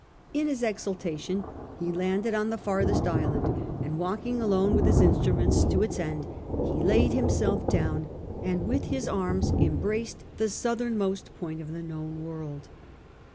In his exultation he landed on the farthest island, and walking alone with his instruments to its end, he laid himself down, and with his arms embraced the southern most point of the known world.